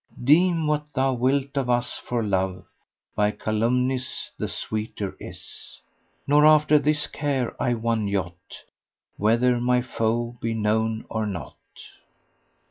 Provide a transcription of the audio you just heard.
Deem what thou wilt of us, for love * By calumnies the sweeter is: Nor after this care I one jot * Whether my foe be known or not."